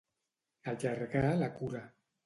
Allargar la cura.